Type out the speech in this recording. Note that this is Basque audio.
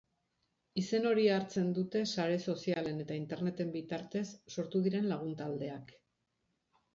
Izen hori hartzen dute sare sozialen eta interneten bitartez sortu diren lagun taldeak.